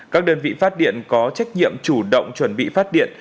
các đơn vị phát điện có trách nhiệm chủ động chuẩn bị phát điện